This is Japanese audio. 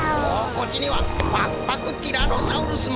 こっちにはパクパクティラノサウルスも。